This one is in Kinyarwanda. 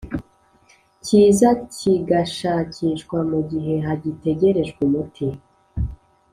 cyiza kigashakishwa mu gihe hagitegerejwe umuti.